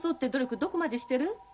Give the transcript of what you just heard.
どこまでしてる？